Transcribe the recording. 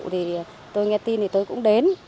thì tôi nghe tin thì tôi cũng đến